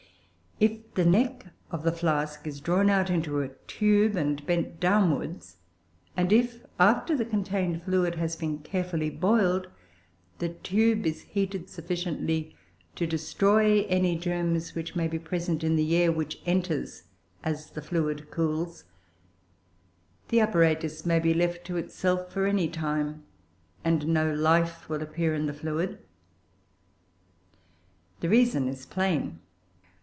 If the neck of the flask is drawn out into a tube and bent downwards; and if, after the contained fluid has been carefully boiled, the tube is heated sufficiently to destroy any germs which may be present in the air which enters as the fluid cools, the apparatus may be left to itself for any time and no life will appear in the fluid. The reason is plain.